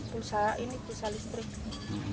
pusat ini pusat listrik